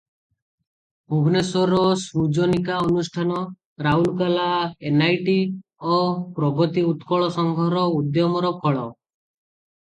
ଭୁବନେଶ୍ୱରର ସୃଜନିକା ଅନୁଷ୍ଠାନ, ରାଉରକେଲା ଏନଆଇଟି ଓ ପ୍ରଗତି ଉତ୍କଳ ସଂଘଙ୍କ ଉଦ୍ୟମର ଫଳ ।